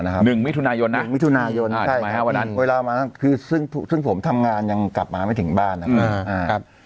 หนึ่งมิถุนายนนะใช่คือซึ่งผมทำงานยังกลับมาไม่ถึงบ้านนะครับ